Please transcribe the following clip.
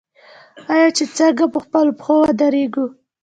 آیا چې څنګه په خپلو پښو ودریږو؟